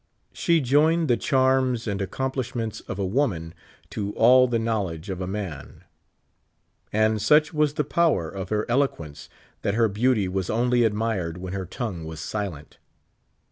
She joined the charms and accomplishments of a woman to all the knowledge of a man. And such was the power of her eloquence, that her beauty was only admired when her tongue was silent.